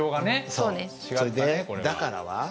それで「だから」は？